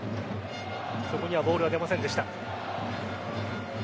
そこにはボールは出ませんでした。